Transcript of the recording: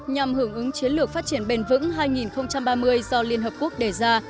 nhằm hưởng ứng chiến lược phát triển bền vững hai nghìn ba mươi do liên hợp quốc đề ra